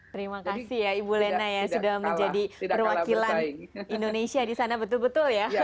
terima kasih ya ibu lena ya sudah menjadi perwakilan indonesia di sana betul betul ya